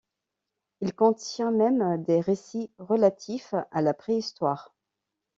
Il contient même des récits relatifs à la Préhistoire.